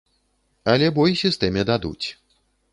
Але бой сістэме дадуць.